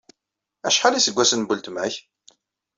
Acḥal iseggasen n weltma-k?